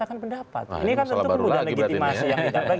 ini kan tentu kemudian legitimasi yang tidak baik